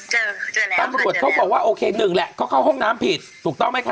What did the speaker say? เจอแล้วตำรวจเขาบอกว่าโอเคหนึ่งแหละเขาเข้าห้องน้ำผิดถูกต้องไหมคะ